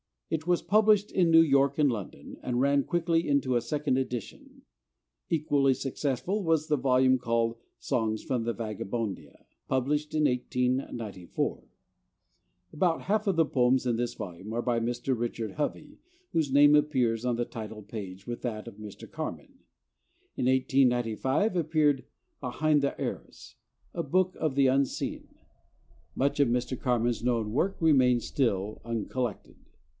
It was published in New York and London, and ran quickly into a second edition. Equally successful was the volume called 'Songs from Vagabondia,' published in 1894. About half the poems in this volume are by Mr. Richard Hovey, whose name appears on the title page with that of Mr. Carman. In 1895 appeared 'Behind the Arras: a Book of the Unseen.' Much of Mr. Carman's known work remains still uncollected.